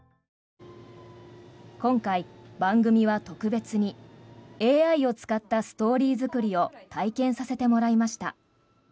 今回、番組は特別にＡＩを使ったストーリー作りを体験させてもらいました。